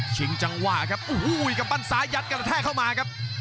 จังหวะครับโอ้โหกำปั้นซ้ายยัดกระแทกเข้ามาครับ